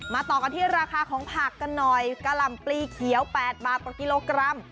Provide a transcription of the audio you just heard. ต่อกันที่ราคาของผักกันหน่อยกะหล่ำปลีเขียว๘บาทต่อกิโลกรัม